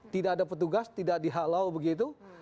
tidak ada petugas tidak dihalau begitu